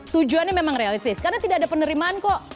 tujuannya memang realistis karena tidak ada penerimaan kok